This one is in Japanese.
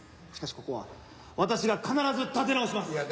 しかしここは私が必ず立て直します。